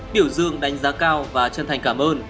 biểu dương đánh giá cao và chân thành cảm ơn